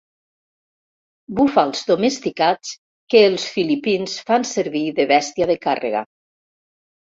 Búfals domesticats que els filipins fan servir de bèstia de càrrega.